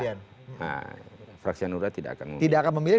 nah fraksi hanura tidak akan memilih